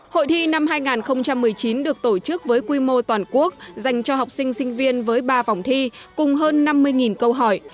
hội thi năm hai nghìn một mươi chín được tổ chức với quy mô toàn quốc dành cho học sinh sinh viên với ba vòng thi cùng hơn năm mươi câu hỏi